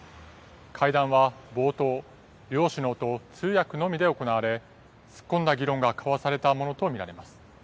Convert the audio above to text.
会談は冒頭、両首脳と通訳のみで行われ、突っ込んだ議論が交わされたものと見られます。